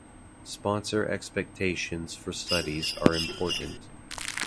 Sponsor expectations for studies are important.